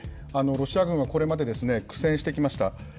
ロシア軍はこれまで苦戦してきました。